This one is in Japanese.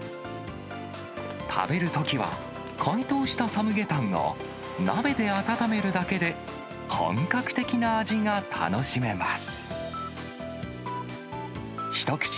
食べるときは、解凍したサムゲタンを、鍋で温めるだけで、本格的な味が楽しめます。